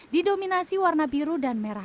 di dominasi warna biru dan berwarna merah